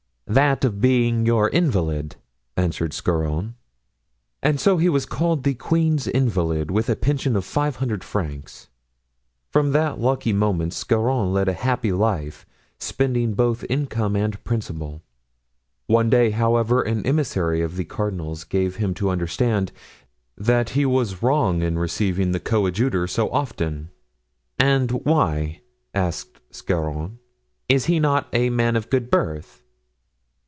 "That of being your invalid," answered Scarron. So he was called the queen's invalid, with a pension of fifteen hundred francs. From that lucky moment Scarron led a happy life, spending both income and principal. One day, however, an emissary of the cardinal's gave him to understand that he was wrong in receiving the coadjutor so often. "And why?" asked Scarron; "is he not a man of good birth?"